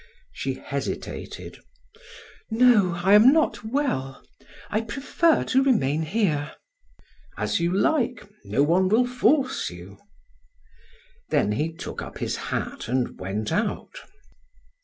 She hesitated: "No, I am not well. I prefer to remain here." "As you like. No one will force you." Then he took up his hat and went out.